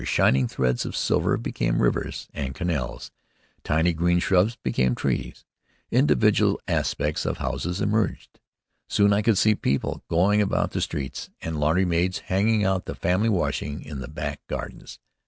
Shining threads of silver became rivers and canals, tiny green shrubs became trees, individual aspects of houses emerged. Soon I could see people going about the streets and laundry maids hanging out the family washing in the back gardens.